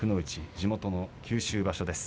地元の九州場所です。